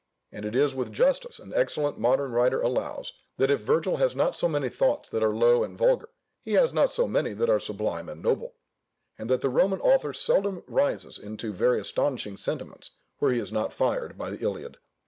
And it is with justice an excellent modern writer allows, that if Virgil has not so many thoughts that are low and vulgar, he has not so many that are sublime and noble; and that the Roman author seldom rises into very astonishing sentiments where he is not fired by the Iliad.